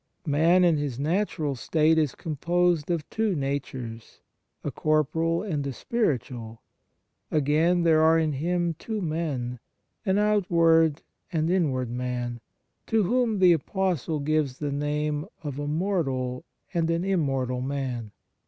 Man in his natural state is composed of two natures a corporal and a spiritual. Again, there are in him two men, an out ward and inward man, to whom the Apostle gives the name of " a mortal and an immortal man."